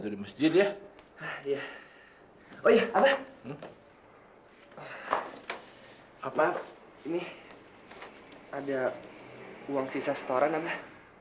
ada uang sisa setoran abah